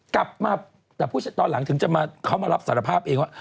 กลับมาแต่ตอนหลังถึงจะมาเขามารับสารภาพเองว่า